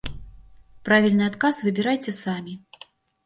Правільны адказ выбірайце самі.